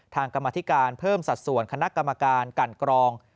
กรรมธิการเพิ่มสัดส่วนคณะกรรมการกันกรอง